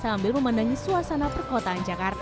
sambil memandangi suasana perkotaan jakarta